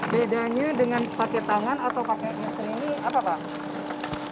bedanya dengan pakai tangan atau pakai masker ini apa pak